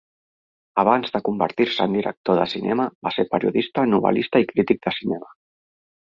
Abans de convertir-se en director de cinema, va ser periodista, novel·lista i crític de cinema.